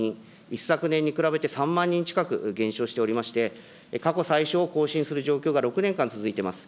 一昨年に比べて、３万人近く減少しておりまして、過去最少を更新する状況が６年間続いています。